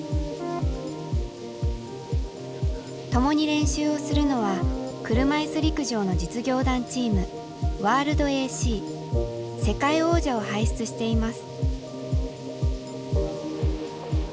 共に練習をするのは車いす陸上の実業団チーム世界王者を輩出しています。